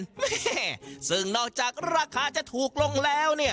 แม่ซึ่งนอกจากราคาจะถูกลงแล้วเนี่ย